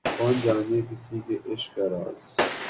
کون جانے کسی کے عشق کا راز